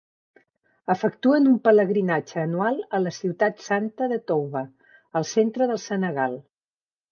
Efectuen un pelegrinatge anual a la ciutat santa de Touba, al centre del Senegal.